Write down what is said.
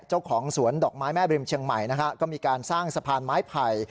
เจ้าของสวนดอกไม้แม่บริมเชียงใหม่นะฮะก็มีการสร้างสะพานไม้ไผ่